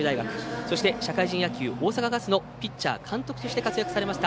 そして社会人野球大阪ガスのピッチャー監督として活躍されました